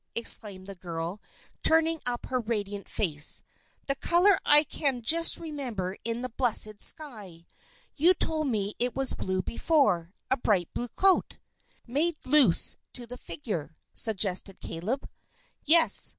exclaimed the girl, turning up her radiant face; "the color I can just remember in the blessed sky! You told me it was blue before. A bright blue coat " "Made loose to the figure," suggested Caleb. "Yes!